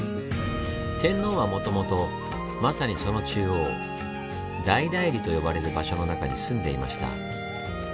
天皇はもともとまさにその中央「大内裏」と呼ばれる場所の中に住んでいました。